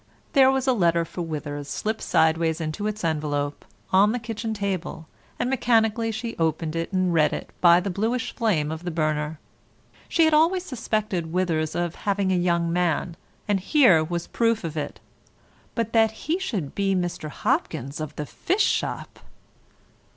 There was a letter for Withers, slipped sideways into its envelope, on the kitchen table, and mechanically she opened and read it by the bluish flame of the burner. She had always suspected Withers of having a young man, and here was proof of it. But that he should be Mr. Hopkins of the fish shop!